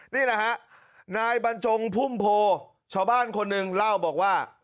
นี่แหละฮะนายบรรจงพุ่มโพชาวบ้านคนหนึ่งเล่าบอกว่า